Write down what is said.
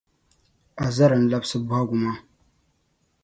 Azara n labsi bohagu maa.